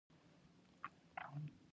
سهار د طبیعت له لوري غږ دی.